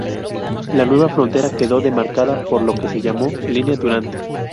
La nueva frontera quedó demarcada por lo que se llamó Línea Durand.